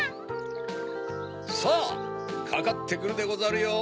さぁかかってくるでござるよ！